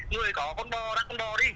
người có con bò đặt con bò đi